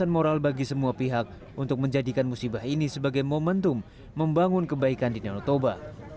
ini adalah hal bagi semua pihak untuk menjadikan musibah ini sebagai momentum membangun kebaikan di nyono toba